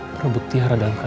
merebut tiara dan kakak